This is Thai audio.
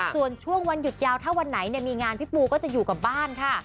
ส่วนช่วงวันหยุดยาวถ้าวันไหนมีงานพี่ปูก็จะอยู่กับบ้านค่ะ